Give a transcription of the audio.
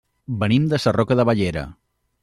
Venim de Sarroca de Bellera.